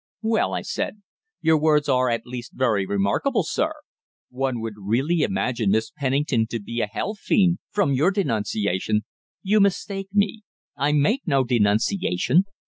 "Well," I said, "your words are at least very remarkable, sir. One would really imagine Miss Pennington to be a hell fiend from your denunciation." "You mistake me. I make no denunciation.